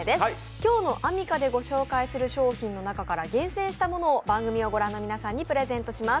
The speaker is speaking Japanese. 今日のアミカでご紹介する商品の中から厳選したものを番組を御覧の皆さんにプレゼントします。